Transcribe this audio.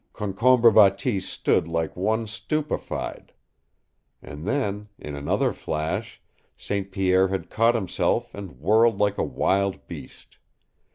Concombre Bateese stood like one stupefied. And then, in another flash, St. Pierre had caught himself and whirled like a wild beast.